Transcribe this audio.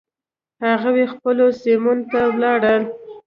هغوی خپلو سیمو ته ولاړل.